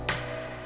aku mau pergi